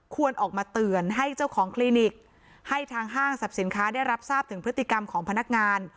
ควรออกมาเตือนให้เจ้าของคลินิกให้ทางห้างสรรพสินค้าได้รับทราบถึงพฤติกรรมของพนักงาน